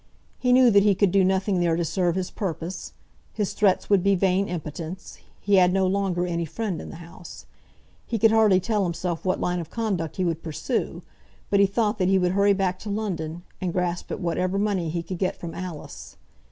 He knew that he could do nothing there to serve his purpose; his threats would be vain impotence; he had no longer any friend in the house. He could hardly tell himself what line of conduct he would pursue, but he thought that he would hurry back to London, and grasp at whatever money he could get from Alice.